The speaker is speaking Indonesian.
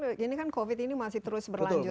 betul betul ya ini kan covid ini masih terus berlanjut